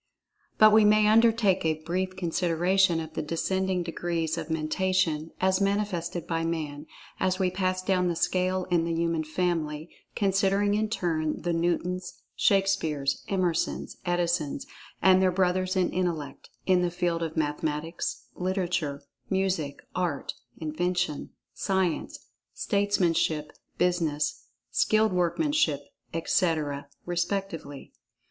But we may undertake a brief consideration of the descending degrees of Mentation as manifested by Man, as we pass down the scale in the human family, considering in turn, the Newtons, Shakespeares, Emersons, Edisons, and their brothers in intellect, in the field of mathematics, literature, music, art, invention, science, statesmanship, business, skilled workmanship, etc., respectively.